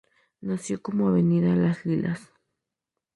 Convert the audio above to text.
Nació como avenida Las Lilas.